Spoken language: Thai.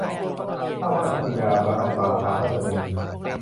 ข้าไหว้พระบิดา ไหว้บาทาพระชนนี